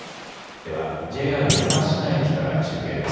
ではＪＲ山科駅から中継です。